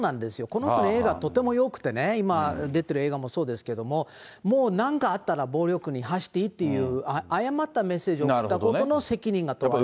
この人の映画、とてもよくてね、今、出てる英語もそうですけれども、もう、なんかあったら暴力に走っていいっていう、誤ったメッセージを送ったことの責任が問われる。